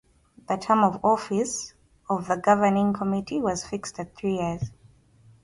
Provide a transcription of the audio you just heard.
The term of office of the governing committee was fixed at three years.